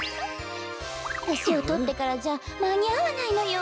としをとってからじゃまにあわないのよ。